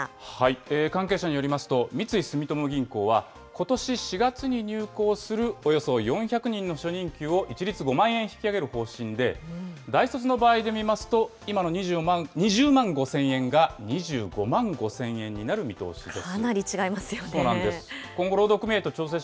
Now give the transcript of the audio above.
続いてはこちら、大手銀行が初任給を１６年ぶりに引き上げる方針関係者によりますと、三井住友銀行は、ことし４月に入行するおよそ４００人の初任給を、一律５万円引き上げる方針で、大卒の場合で見ますと、今の２０万５０００円が、２５万５０００円になる見通しです。